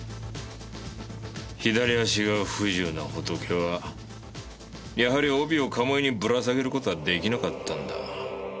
左足が不自由なホトケはやはり帯を鴨居にぶら下げる事は出来なかったんだ。